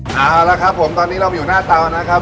เอาละครับผมตอนนี้เราอยู่หน้าเตานะครับ